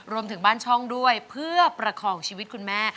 รวมถึงบ้านช่องด้วยเพื่อประคองชีวิตคุณแม่